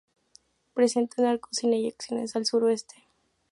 Presenta un arco sin eyecciones al suroeste.